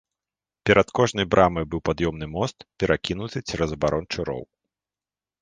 Перад кожнай брамай быў пад'ёмны мост, перакінуты цераз абарончы роў.